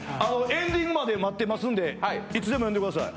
エンディングまで待ってますのでいつでも呼んでください。